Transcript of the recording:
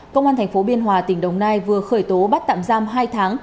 công an thành phố biên hòa tỉnh đồng nai vừa khởi tố bắt tạm giam hai tháng